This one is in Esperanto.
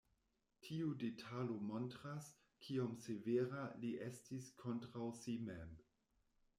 Tiu detalo montras, kiom severa li estis kontraŭ si mem.